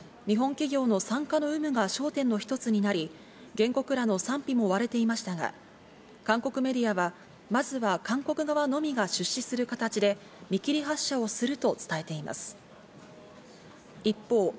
日本企業の参加の有無が焦点の一つになり、原告らの賛否も割れていましたが、韓国メディアは、まずは韓国側のみが出資する形で、見切り発車をすると伝えています。